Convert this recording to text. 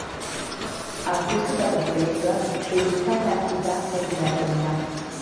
aurkeztutako proiektuak euskaratuta egon beharko dira